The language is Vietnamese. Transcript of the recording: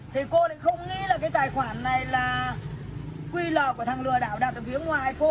thì cô lại không nghĩ là cái tài khoản này là ql của thằng lừa đảo đặt ở phía ngoài cô